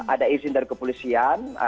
ada izin dari kepolisian